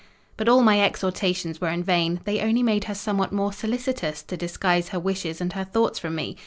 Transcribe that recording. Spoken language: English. But all my exhortations were in vain: they only made her somewhat more solicitous to disguise her wishes and her thoughts from me.